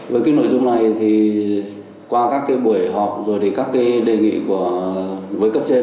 với cái nội dung này thì qua các cái buổi họp rồi thì các cái đề nghị với cấp trên